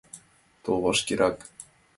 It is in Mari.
— Тол вашкерак!